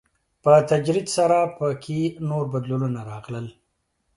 په تدريج سره په کې نور بدلونونه راغلل.